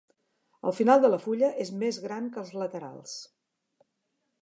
El final de la fulla és més gran que els laterals.